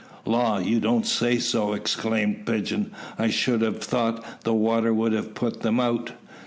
"Law, you don't say so!" exclaimed Pigeon. "I should have thought the water would have put them out."